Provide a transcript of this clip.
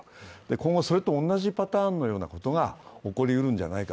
今後それと同じパターンのようなもことが起こりうるのではないか。